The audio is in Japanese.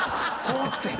怖くて。